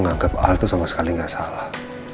menganggap hal itu sama sekali tidak salah